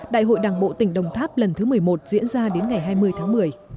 đại hội đảng bộ tỉnh đồng tháp lần thứ một mươi một diễn ra đến ngày hai mươi tháng một mươi